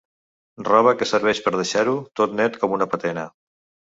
Roba que serveix per deixar-ho tot net com una patena.